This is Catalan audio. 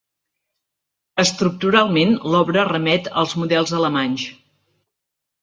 Estructuralment, l'obra remet als models alemanys.